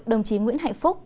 đồng chí nguyễn hạnh phúc